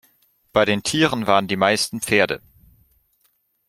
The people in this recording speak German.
Bei den Tieren waren die meisten Pferde.